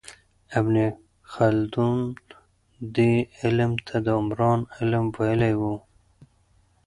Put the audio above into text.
ابن خلدون دې علم ته د عمران علم ویلی و.